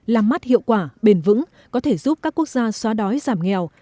làm mát hiệu quả bền vững có thể giúp các quốc gia xóa đói giảm nghèo